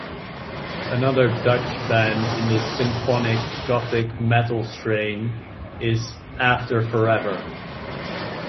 Another Dutch band in the symphonic gothic metal strain is After Forever.